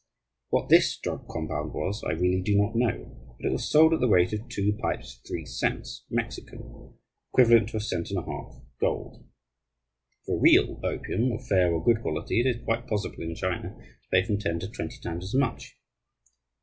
What this drug compound was I really do not know; but it was sold at the rate of two pipes for three cents, Mexican, equivalent to a cent and a half, gold. For real opium, of fair or good quality, it is quite possible, in China, to pay from ten to twenty times as much.